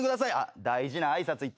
大事な挨拶行ってますね。